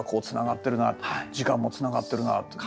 時間もつながってるなというか。